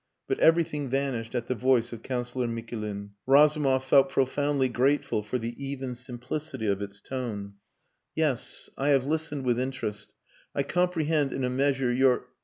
But everything vanished at the voice of Councillor Mikulin. Razumov felt profoundly grateful for the even simplicity of its tone. "Yes. I have listened with interest. I comprehend in a measure your...